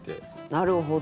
なるほど。